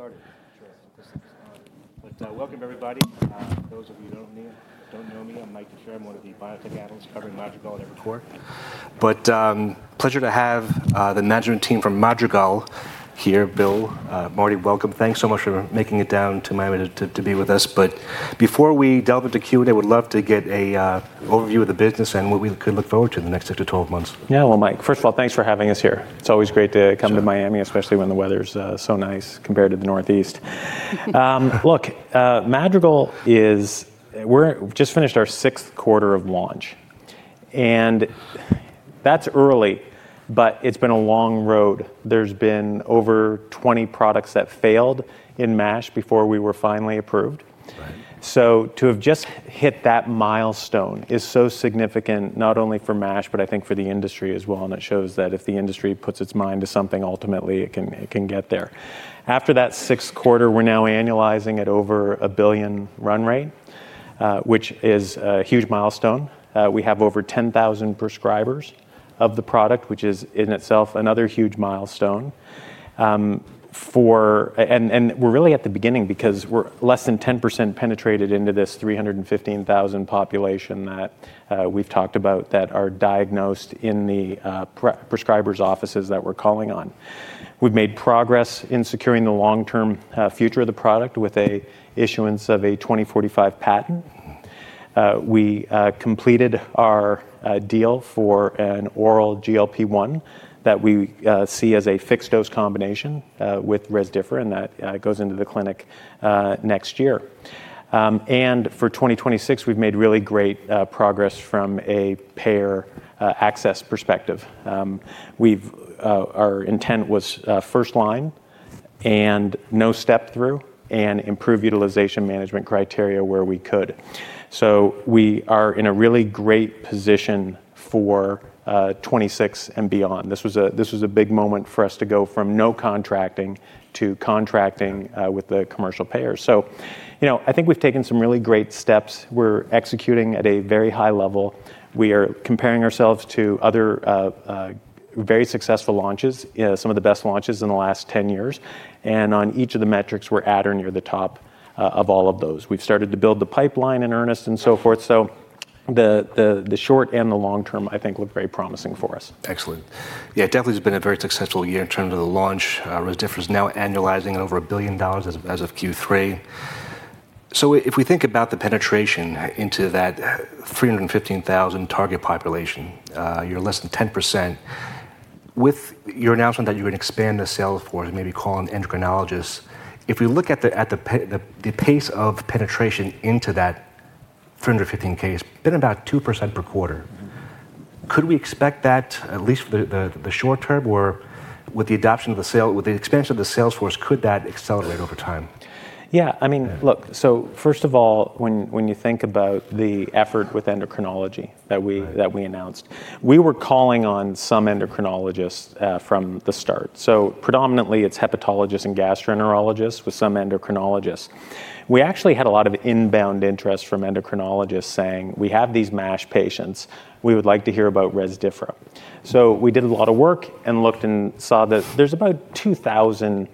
Let's get started. Let's get started. But welcome, everybody. Those of you who don't know me, I'm Mike DiFiore. I'm one of the biotech analysts covering Madrigal and Evercore. But pleasure to have the management team from Madrigal here. Bill, Mardi, welcome. Thanks so much for making it down to Miami to be with us. But before we delve into Q&A, we'd love to get an overview of the business and what we could look forward to in the next six to 12 months. Yeah, well, Mike, first of all, thanks for having us here. It's always great to come to Miami, especially when the weather's so nice compared to the Northeast. Look, Madrigal, we're just finished our sixth quarter of launch. And that's early, but it's been a long road. There's been over 20 products that failed in MASH before we were finally approved. So to have just hit that milestone is so significant, not only for MASH, but I think for the industry as well. And it shows that if the industry puts its mind to something, ultimately, it can get there. After that sixth quarter, we're now annualizing at over a $1 billion run rate, which is a huge milestone. We have over 10,000 prescribers of the product, which is in itself another huge milestone. We're really at the beginning because we're less than 10% penetrated into this 315,000 population that we've talked about that are diagnosed in the prescribers' offices that we're calling on. We've made progress in securing the long-term future of the product with an issuance of a 2045 patent. We completed our deal for an oral GLP-1 that we see as a fixed-dose combination with Rezdiffra, and that goes into the clinic next year. For 2026, we've made really great progress from a payer access perspective. Our intent was first line and no step-through and improve utilization management criteria where we could. We are in a really great position for 2026 and beyond. This was a big moment for us to go from no contracting to contracting with the commercial payers. I think we've taken some really great steps. We're executing at a very high level. We are comparing ourselves to other very successful launches, some of the best launches in the last 10 years, and on each of the metrics, we're at or near the top of all of those. We've started to build the pipeline in earnest and so forth, so the short and the long term, I think, look very promising for us. Excellent. Yeah, definitely has been a very successful year in terms of the launch. Rezdiffra is now annualizing at over $1 billion as of Q3. So if we think about the penetration into that 315,000 target population, you're less than 10%. With your announcement that you're going to expand the sales force, maybe calling endocrinologists, if we look at the pace of penetration into that 315K, it's been about 2% per quarter. Could we expect that, at least for the short term, or with the adoption of the sale, with the expansion of the sales force, could that accelerate over time? Yeah, I mean, look, so first of all, when you think about the effort with endocrinology that we announced, we were calling on some endocrinologists from the start. So predominantly, it's hepatologists and gastroenterologists with some endocrinologists. We actually had a lot of inbound interest from endocrinologists saying, "We have these MASH patients. We would like to hear about Rezdiffra." So we did a lot of work and looked and saw that there's about 2,000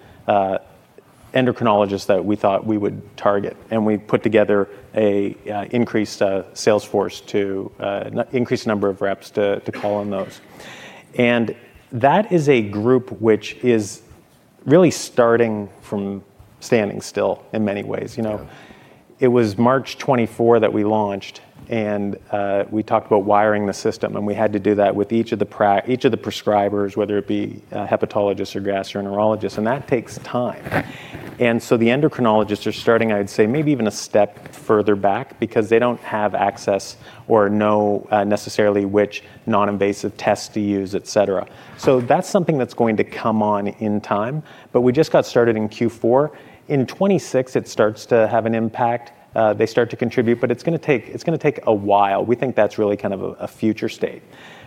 endocrinologists that we thought we would target. And we put together an increased sales force to increase the number of reps to call on those. And that is a group which is really starting from standing still in many ways. It was March 2024 that we launched, and we talked about wiring the system. And we had to do that with each of the prescribers, whether it be hepatologists or gastroenterologists. And that takes time. And so the endocrinologists are starting, I'd say, maybe even a step further back because they don't have access or know necessarily which non-invasive tests to use, et cetera. So that's something that's going to come on in time. But we just got started in Q4. In 2026, it starts to have an impact. They start to contribute, but it's going to take a while. We think that's really kind of a future state.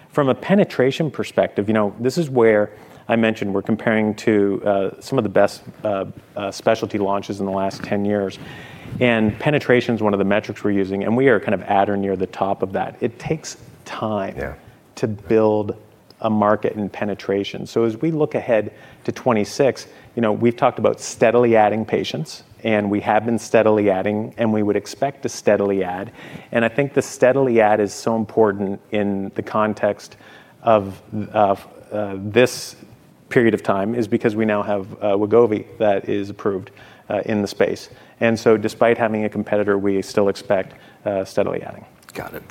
From a penetration perspective, this is where I mentioned we're comparing to some of the best specialty launches in the last 10 years. And penetration is one of the metrics we're using, and we are kind of at or near the top of that. It takes time to build a market in penetration. So as we look ahead to 2026, we've talked about steadily adding patients, and we have been steadily adding, and we would expect to steadily add. And I think the steadily add is so important in the context of this period of time is because we now have Wegovy that is approved in the space. And so despite having a competitor, we still expect steadily adding. Got it.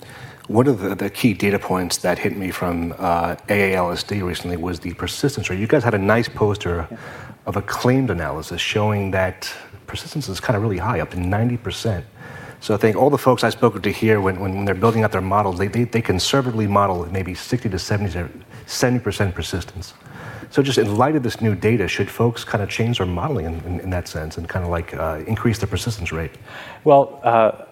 One of the key data points that hit me from AASLD recently was the persistence rate. You guys had a nice poster of a claims analysis showing that persistence is kind of really high, up to 90%. So I think all the folks I spoke with here when they're building out their models, they conservatively model maybe 60%-70% persistence. So just in light of this new data, should folks kind of change their modeling in that sense and kind of like increase the persistence rate? Well,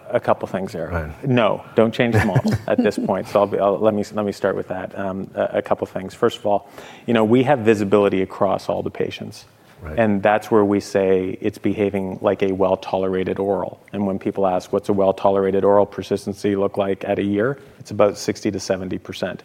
a couple of things here. Go ahead. No, don't change the model at this point. So let me start with that. A couple of things. First of all, we have visibility across all the patients. And that's where we say it's behaving like a well-tolerated oral. And when people ask, "What's a well-tolerated oral persistency look like at a year?" It's about 60%-70%.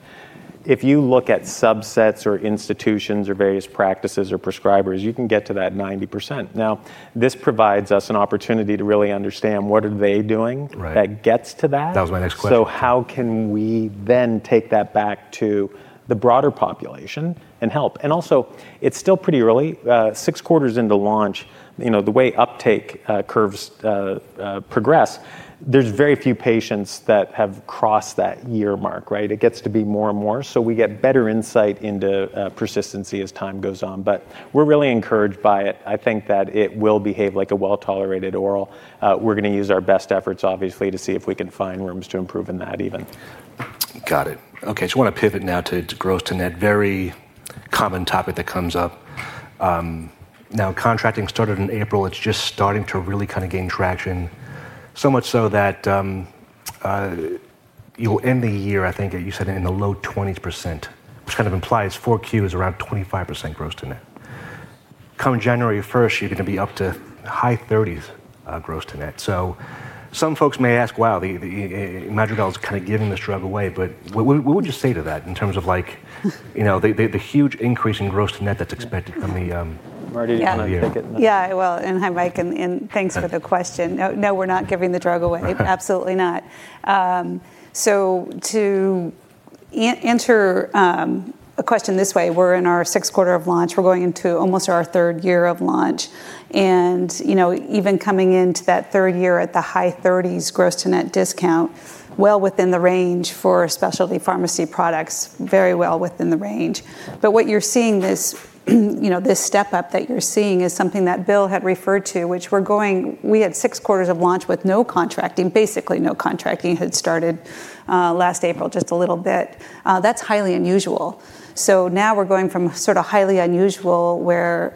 If you look at subsets or institutions or various practices or prescribers, you can get to that 90%. Now, this provides us an opportunity to really understand what are they doing that gets to that. That was my next question. So how can we then take that back to the broader population and help? And also, it's still pretty early. Six quarters into launch, the way uptake curves progress, there's very few patients that have crossed that year mark, right? It gets to be more and more. So we get better insight into persistency as time goes on. But we're really encouraged by it. I think that it will behave like a well-tolerated oral. We're going to use our best efforts, obviously, to see if we can find rooms to improve in that even. Got it. Okay, so I want to pivot now to gross to net, very common topic that comes up. Now, contracting started in April. It's just starting to really kind of gain traction, so much so that you'll end the year, I think, you said in the low 20%, which kind of implies 4Q is around 25% gross to net. Come January 1st, you're going to be up to high 30s gross to net. So some folks may ask, "Wow, Madrigal's kind of giving this drug away." But what would you say to that in terms of the huge increase in gross to net that's expected from the year? Mardi, do you want to take it? Yeah, well, and hi, Mike and thanks for the question. No, we're not giving the drug away. Absolutely not. So to answer a question this way, we're in our sixth quarter of launch. We're going into almost our third year of launch. And even coming into that third year at the high 30s gross to net discount, well within the range for specialty pharmacy products, very well within the range. But what you're seeing, this step-up that you're seeing is something that Bill had referred to, which we had six quarters of launch with no contracting. Basically no contracting had started last April, just a little bit. That's highly unusual. So now we're going from sort of highly unusual where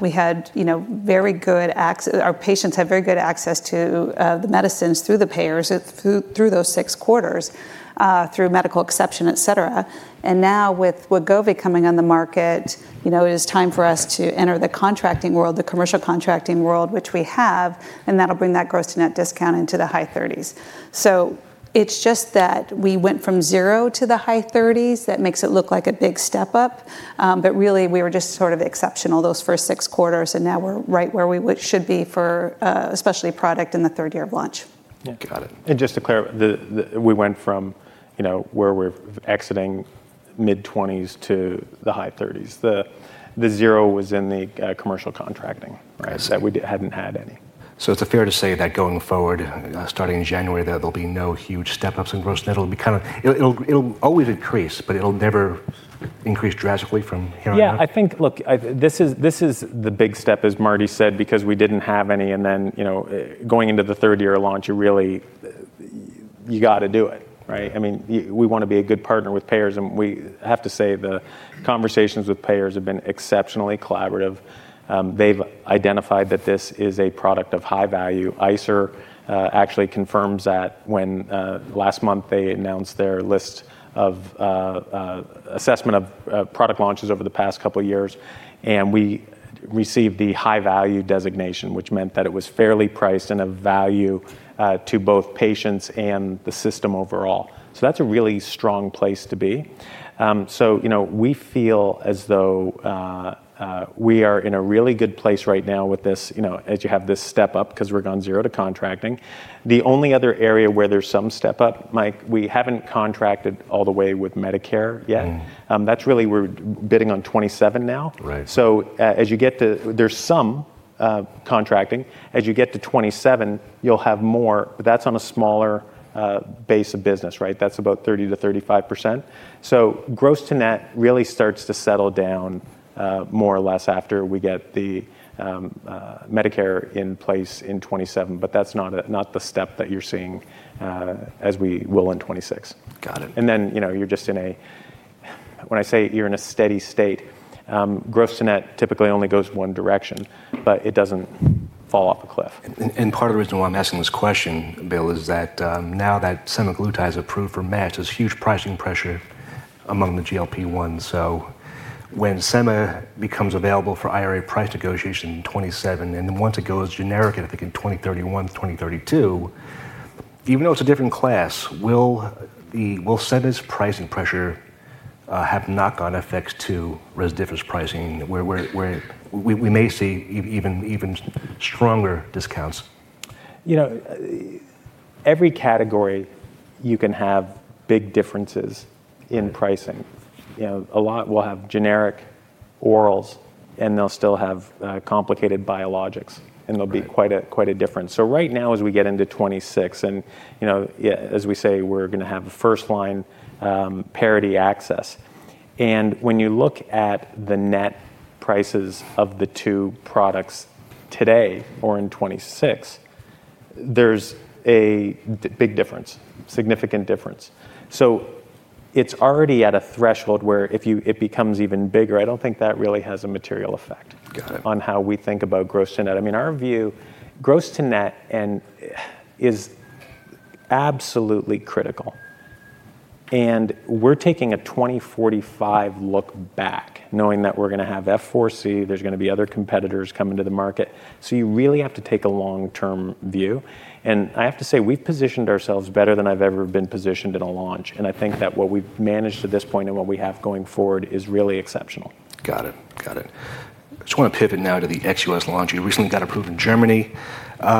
we had very good access. Our patients had very good access to the medicines through the payers through those six quarters through medical exception, et cetera. And now with Wegovy coming on the market, it is time for us to enter the contracting world, the commercial contracting world, which we have, and that'll bring that gross to net discount into the high 30s%. So it's just that we went from zero to the high 30s%. That makes it look like a big step-up. But really, we were just sort of exceptional those first six quarters. And now we're right where we should be for a specialty product in the third year of launch. Yeah. Got it. And just to clarify, we went from where we're exiting mid-20s to the high 30s. The zero was in the commercial contracting, right? So we hadn't had any. So is it fair to say that going forward, starting in January, that there'll be no huge step-ups in gross-to-net? It'll always increase, but it'll never increase drastically from here on out? Yeah, I think, look, this is the big step, as Mardi said, because we didn't have any. And then going into the third year of launch, you really got to do it, right? I mean, we want to be a good partner with payers. And we have to say the conversations with payers have been exceptionally collaborative. They've identified that this is a product of high value. ICER actually confirms that when last month they announced their list of assessment of product launches over the past couple of years. And we received the high value designation, which meant that it was fairly priced and of value to both patients and the system overall. So that's a really strong place to be. So we feel as though we are in a really good place right now with this, as you have this step-up because we're going zero to contracting. The only other area where there's some step-up, Mike, we haven't contracted all the way with Medicare yet. That's really we're bidding on 2027 now. So as you get to there's some contracting. As you get to 2027, you'll have more. But that's on a smaller base of business, right? That's about 30%-35%. So gross-to-net really starts to settle down more or less after we get the Medicare in place in 2027. But that's not the step that you're seeing as we will in 2026. Got it. Then, when I say you're in a steady state, gross-to-net typically only goes one direction, but it doesn't fall off a cliff. Part of the reason why I'm asking this question, Bill, is that now that Semaglutide is approved for MASH, there's huge pricing pressure among the GLP-1. So when Sem becomes available for IRA price negotiation in 2027, and then once it goes generic, I think in 2031, 2032, even though it's a different class, will Sem's pricing pressure have knock-on effects to Rezdiffra's pricing where we may see even stronger discounts? Every category, you can have big differences in pricing. A lot will have generic orals, and they'll still have complicated biologics, and there'll be quite a difference. Right now, as we get into 2026, and as we say, we're going to have first line parity access. When you look at the net prices of the two products today or in 2026, there's a big difference, significant difference. It's already at a threshold where if it becomes even bigger, I don't think that really has a material effect on how we think about gross to net. I mean, our view, gross to net is absolutely critical. We're taking a 20-45 look back, knowing that we're going to have F4C. There's going to be other competitors coming to the market. You really have to take a long-term view. And I have to say, we've positioned ourselves better than I've ever been positioned in a launch. And I think that what we've managed to this point and what we have going forward is really exceptional. Got it. Got it. I just want to pivot now to the ex-U.S. launch. You recently got approved in Germany.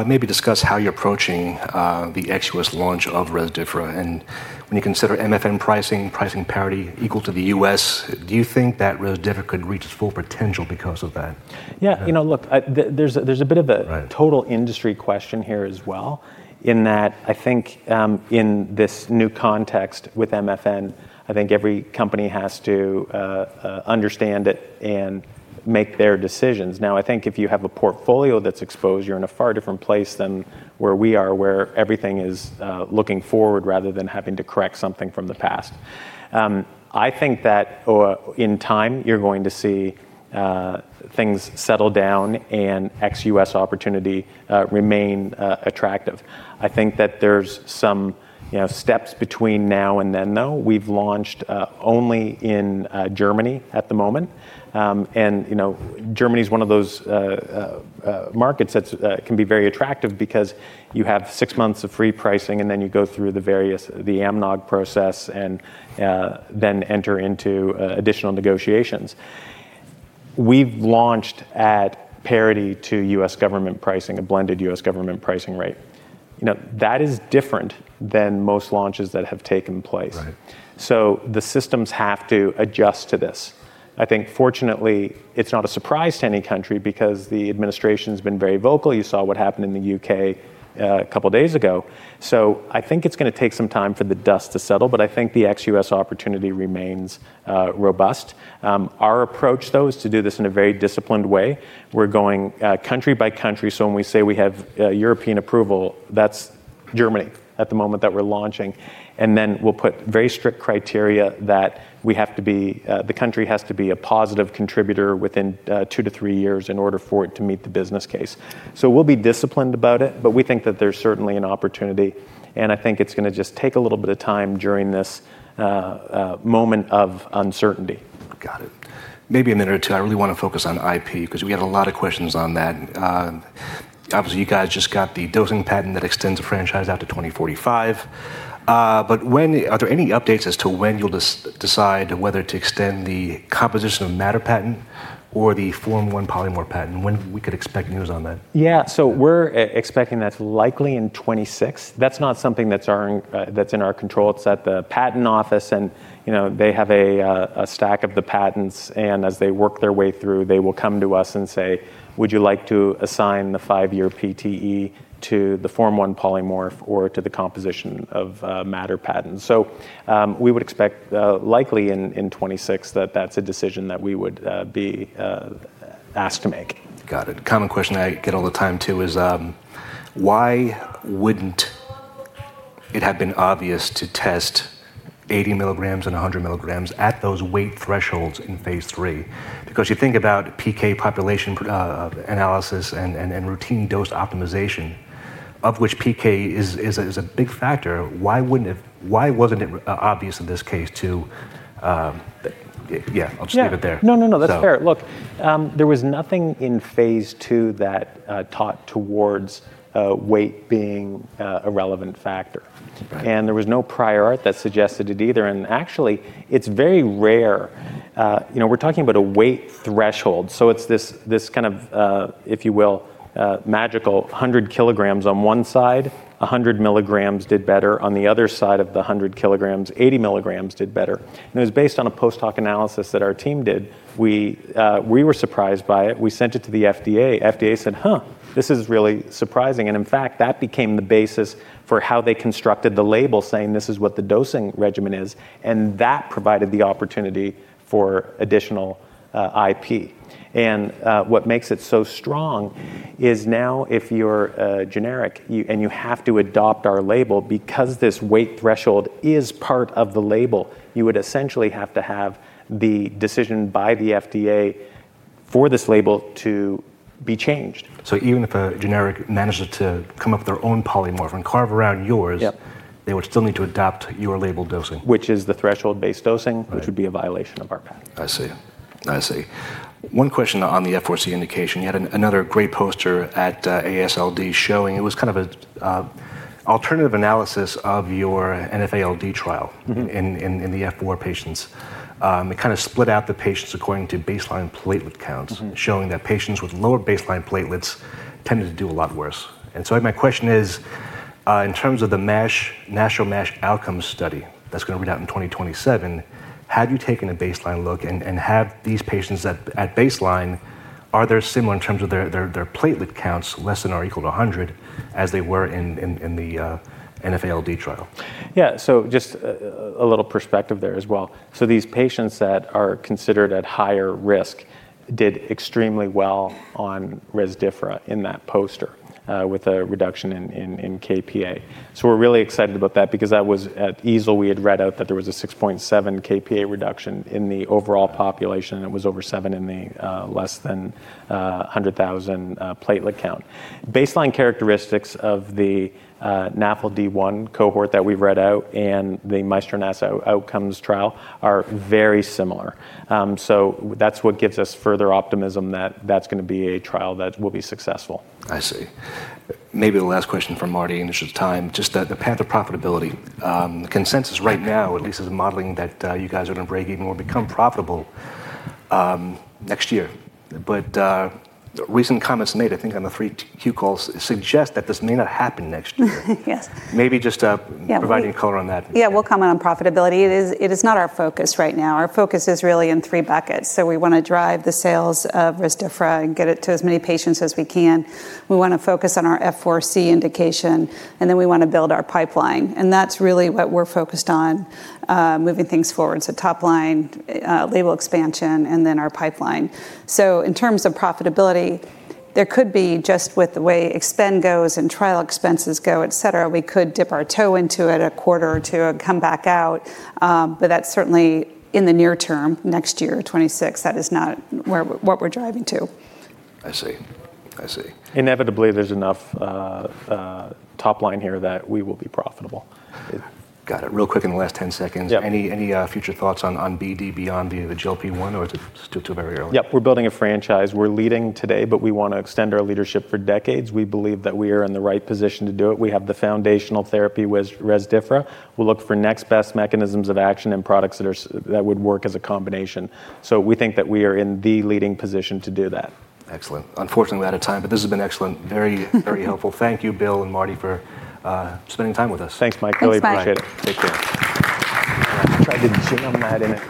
Maybe discuss how you're approaching the ex-U.S. launch of Rezdiffra. And when you consider MFN pricing, pricing parity equal to the U.S., do you think that Rezdiffra could reach its full potential because of that? Yeah, you know, look, there's a bit of a total industry question here as well, in that I think in this new context with MFN, I think every company has to understand it and make their decisions. Now, I think if you have a portfolio that's exposed, you're in a far different place than where we are, where everything is looking forward rather than having to correct something from the past. I think that in time, you're going to see things settle down and ex-U.S. opportunity remain attractive. I think that there's some steps between now and then, though. We've launched only in Germany at the moment, and Germany is one of those markets that can be very attractive because you have six months of free pricing, and then you go through the various AMNOG process and then enter into additional negotiations. We've launched at parity to U.S. government pricing, a blended U.S. government pricing rate. That is different than most launches that have taken place. So the systems have to adjust to this. I think, fortunately, it's not a surprise to any country because the administration has been very vocal. You saw what happened in the U.K. a couple of days ago. So I think it's going to take some time for the dust to settle. But I think the ex-U.S. opportunity remains robust. Our approach, though, is to do this in a very disciplined way. We're going country by country. So when we say we have European approval, that's Germany at the moment that we're launching. And then we'll put very strict criteria that the country has to be a positive contributor within two to three years in order for it to meet the business case. So we'll be disciplined about it, but we think that there's certainly an opportunity. And I think it's going to just take a little bit of time during this moment of uncertainty. Got it. Maybe a minute or two. I really want to focus on IP because we had a lot of questions on that. Obviously, you guys just got the dosing patent that extends the franchise out to 2045. But are there any updates as to when you'll decide whether to extend the composition of matter patent or the Form I Polymorph patent? When we could expect news on that? Yeah, so we're expecting that's likely in 2026. That's not something that's in our control. It's at the patent office, and they have a stack of the patents. And as they work their way through, they will come to us and say, "Would you like to assign the five-year PTE to the Form I Polymorph or to the composition of matter patent?" So we would expect likely in 2026 that that's a decision that we would be asked to make. Got it. Common question I get all the time too is, why wouldn't it have been obvious to test 80 mg and 100 mg at those weight thresholds in phase III? Because you think about PK population analysis and routine dose optimization, of which PK is a big factor. Why wasn't it obvious in this case to yeah, I'll just leave it there. No, no, no, that's fair. Look, there was nothing in phase II that taught towards weight being a relevant factor. And there was no prior art that suggested it either. And actually, it's very rare. We're talking about a weight threshold. So it's this kind of, if you will, magical 100 kilograms on one side, 100 mg did better. On the other side of the 100 kilograms, 80 mg did better. And it was based on a post-hoc analysis that our team did. We were surprised by it. We sent it to the FDA. FDA said, "Huh, this is really surprising." And in fact, that became the basis for how they constructed the label saying, "This is what the dosing regimen is." And that provided the opportunity for additional IP. What makes it so strong is now if you're generic and you have to adopt our label because this weight threshold is part of the label, you would essentially have to have the decision by the FDA for this label to be changed. So even if a generic managed to come up with their own polymorph and carve around yours, they would still need to adopt your label dosing. Which is the threshold-based dosing, which would be a violation of our patent. I see. I see. One question on the F4C indication. You had another great poster at AASLD showing. It was kind of an alternative analysis of your NAFLD trial in the F4 patients. It kind of split out the patients according to baseline platelet counts, showing that patients with lower baseline platelets tended to do a lot worse. And so my question is, in terms of the national MASH outcome study that's going to read out in 2027, had you taken a baseline look and have these patients at baseline, are they similar in terms of their platelet counts less than or equal to 100 as they were in the NAFLD trial? Yeah, so just a little perspective there as well. So these patients that are considered at higher risk did extremely well on Rezdiffra in that poster with a reduction in kPa. So we're really excited about that because that was at EASL. We had read out that there was a 6.7 kPa reduction in the overall population, and it was over 7 in the less than 100,000 platelet count. Baseline characteristics of the MAESTRO-NAFLD-1 cohort that we've read out and the MAESTRO-NASH outcomes trial are very similar. So that's what gives us further optimism that that's going to be a trial that will be successful. I see. Maybe the last question for Mardi and just time, just the path of profitability. The consensus right now, at least as a modeling that you guys are going to break even will become profitable next year. But recent comments made, I think on the 3Q calls, suggest that this may not happen next year. Maybe just providing a color on that. Yeah, we'll comment on profitability. It is not our focus right now. Our focus is really in three buckets. So we want to drive the sales of Rezdiffra and get it to as many patients as we can. We want to focus on our F4C indication, and then we want to build our pipeline. And that's really what we're focused on moving things forward. So top line, label expansion, and then our pipeline. So in terms of profitability, there could be just with the way spend goes and trial expenses go, et cetera, we could dip our toe into it a quarter or two and come back out. But that's certainly in the near term, next year, 2026. That is not what we're driving to. I see. I see. Inevitably, there's enough top line here that we will be profitable. Got it. Real quick, in the last 10 seconds. Any future thoughts on BD beyond the GLP-1, or is it still too very early? Yep, we're building a franchise. We're leading today, but we want to extend our leadership for decades. We believe that we are in the right position to do it. We have the foundational therapy with Rezdiffra. We'll look for next best mechanisms of action and products that would work as a combination. So we think that we are in the leading position to do that. Excellent. Unfortunately, we're out of time, but this has been excellent. Very, very helpful. Thank you, Bill and Mardi, for spending time with us. Thanks, Mike. I really appreciate it. Thank, Mike. Take care. I tried to jam that in.